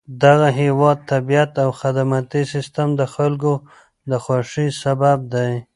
دغه هېواد طبیعت او خدماتي سیستم د خلکو د خوښۍ سبب دی.